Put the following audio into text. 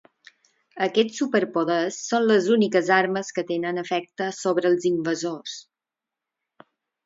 Aquests superpoders són les úniques armes que tenen efecte sobre els invasors.